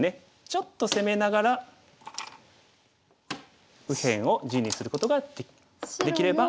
ちょっと攻めながら右辺を地にすることができれば。